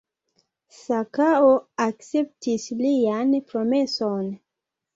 Sakao akceptis lian promeson.